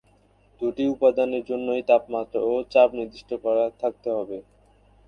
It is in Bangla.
দুটি উপাদানের জন্যই তাপমাত্রা ও চাপ নির্দিষ্ট করা থাকতে হবে।